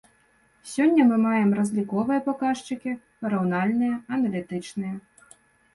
Сёння мы маем разліковыя паказчыкі, параўнальныя, аналітычныя.